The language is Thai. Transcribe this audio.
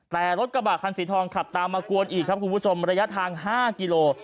แต่รถกระบะคันสีทองขับตามมากวนอีกครับคุณผู้ชมระยะทาง๕กิโล